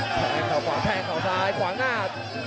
แท่งขวาแท่งขวาซ้ายขวางหน้า